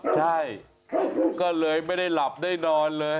ใช่ก็เลยไม่ได้หลับได้นอนเลย